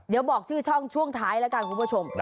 เดี๋ยวบอกชื่อช่องช่วงท้ายแล้วกันคุณผู้ชม